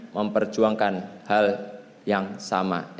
memperjuangkan hal yang sama